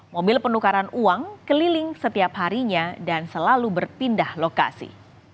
mobil penukaran uang keliling setiap harinya dan selalu berpindah lokasi